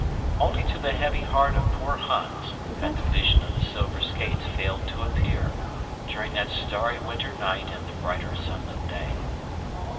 Only to the heavy heart of poor Hans had the vision of the silver skates failed to appear during that starry winter night and the brighter sunlit day.